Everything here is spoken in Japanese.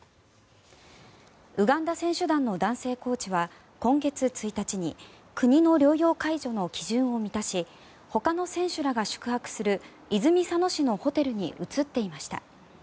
ウガンダ選手団の男性コーチは今月１日に国の療養解除の基準を満たしほかの選手らが宿泊する泉佐野市のホテルに移っていました。